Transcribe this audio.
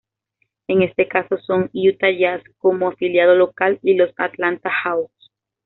En este caso son Utah Jazz, como afiliado "local", y los Atlanta Hawks.